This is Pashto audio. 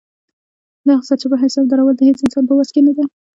دغه سرچپه حساب درول د هېڅ انسان په وس کې نه ده.